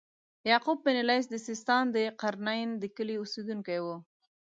یعقوب بن اللیث د سیستان د قرنین د کلي اوسیدونکی و.